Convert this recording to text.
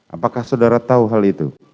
apakah saudara tahu hal itu